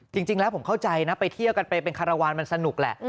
จริงแล้วผมเข้าใจนะไปเที่ยวกันไปเป็นคารวาลมันสนุกแหละ